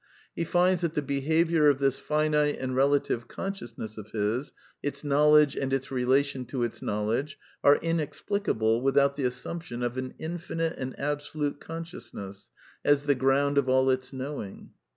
He finds that the behaviour of this finite and relative con sciousness of his, its knowledge and its relation to its knowledge, are inexplicable without the assumption of an infinite and absolute consciousness, as the ground of all its knowing.